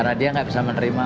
mereka tidak bisa menerima